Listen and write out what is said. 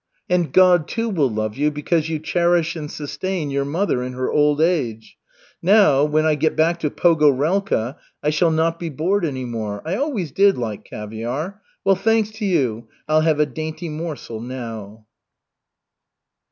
And God, too, will love you, because you cherish and sustain your mother in her old age. Now, when I get back to Pogorelka, I shall not be bored any more. I always did like caviar. Well, thanks to you, I'll have a dainty morsel now."